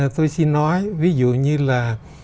tôi xin nói ví dụ như là